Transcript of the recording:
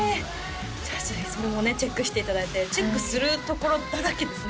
じゃあそれもねチェックしていただいてチェックするところだらけですね